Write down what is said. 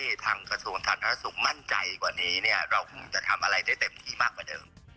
ทางกระทรวงสาธารณสุขมั่นใจกว่านี้เนี่ยเราคงจะทำอะไรได้เต็มที่มากกว่าเดิม